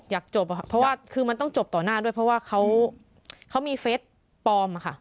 อยากจบค่ะเพราะว่าคือมันต้องจบต่อหน้าด้วยเพราะว่าเขามีเฟสปลอมค่ะ